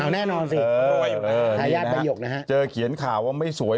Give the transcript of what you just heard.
แน่นอนสิรวยนะครับทายาทใบหยกนะครับเจอเขียนข่าวว่าไม่สวย